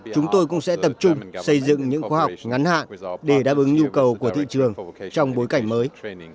chúng tôi cũng sẽ tập trung xây dựng những khoa học ngắn hạn để đáp ứng nhu cầu của thị trường trong bối cảnh mới